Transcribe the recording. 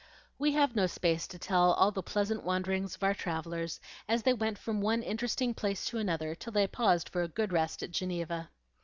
We have no space to tell all the pleasant wanderings of our travellers as they went from one interesting place to another, till they paused for a good rest at Geneva.